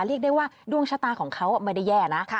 เรียกได้ว่าดวงชะตาของเขาไม่ได้แย่นะ